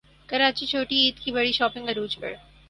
کراچی چھوٹی عید کی بڑی شاپنگ عروج پر